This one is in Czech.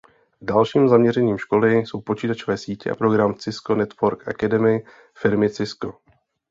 Dalším zaměřením školy jsou počítačové sítě a program Cisco Network Academy firmy Cisco.